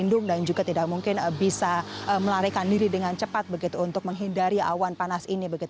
kandung dan juga tidak mungkin bisa melarikan diri dengan cepat begitu untuk menghindari awan panas ini